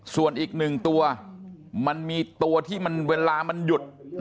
ส่วนอีก๑ตัวมันมีตัวที่เวลามันหยุด